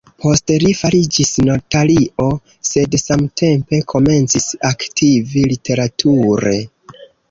Poste li fariĝis notario, sed samtempe komencis aktivi literature.